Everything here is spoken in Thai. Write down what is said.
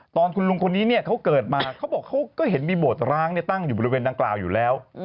ตอนคุณลุงคนนี้เนี่ยเขาเกิดมาเขาบอกเขาก็เห็นมีโบสถร้างตั้งอยู่บริเวณดังกล่าวอยู่แล้ว